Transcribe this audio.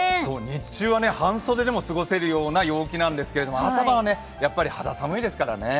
日中は半袖でも過ごせるような陽気ですけれども朝晩はやっぱり肌寒いですからね。